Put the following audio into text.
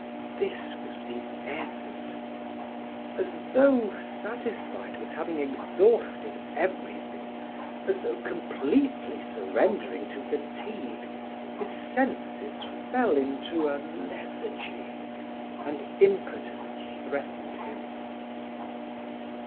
This was the end! As though satisfied with having exhausted everything, as though completely surrendering to fatigue, his senses fell into a lethargy and impotence threatened him.